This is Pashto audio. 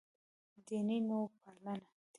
دیني نوپالنه دی.